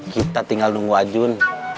kita tinggal nunggu ajun